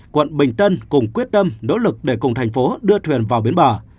quận bình tân cùng quyết tâm nỗ lực để cùng tp hcm đưa thuyền vào bến bờ